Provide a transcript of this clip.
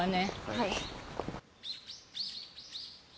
はい。